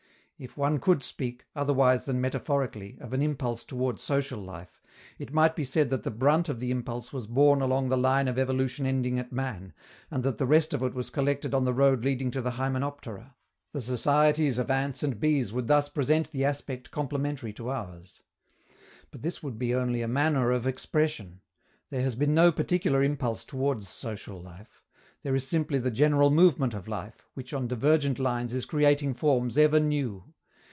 If one could speak, otherwise than metaphorically, of an impulse toward social life, it might be said that the brunt of the impulse was borne along the line of evolution ending at man, and that the rest of it was collected on the road leading to the hymenoptera: the societies of ants and bees would thus present the aspect complementary to ours. But this would be only a manner of expression. There has been no particular impulse towards social life; there is simply the general movement of life, which on divergent lines is creating forms ever new.